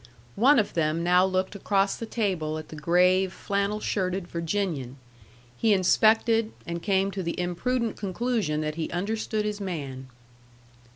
One of them now looked across the table at the grave, flannel shirted Virginian; he inspected, and came to the imprudent conclusion that he understood his man.